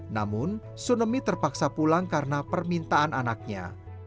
namun sunemi terpaksa pulang karena permintaan anaknya